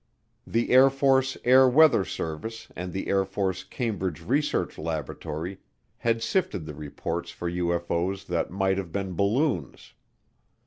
The Air Force Air Weather Service and the Air Force Cambridge Research Laboratory had sifted the reports for UFO's that might have been balloons.